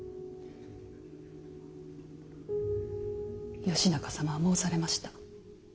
義仲様は申されました。